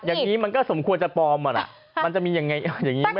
อย่างนี้มันก็สมควรจะปลอมอ่ะนะมันจะมียังไงอย่างนี้ไหม